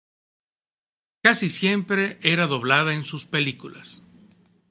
Casi siempre era doblada en sus películas.